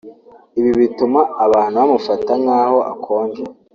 ibi bituma abantu bamufata nk’aho akonje